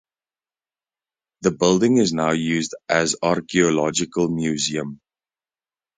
The building is now used as Archeological Museum.